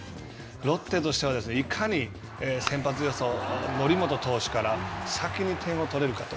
ロッテとしては、いかに先発予想則本投手から先に点を取れるかと。